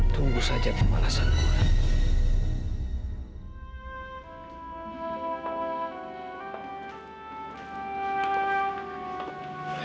tunggu saja pemalasan gue